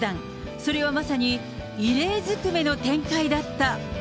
それはまさに異例ずくめの展開だった。